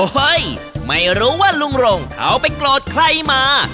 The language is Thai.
โอ้โฮเฮ้ยไม่รู้ว่าลุงเขาไปโกรธใครมา